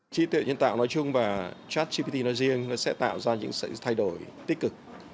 trí tuệ nhân tạo nói chung và chasgpt nói riêng sẽ tạo ra những sự thay đổi tích cực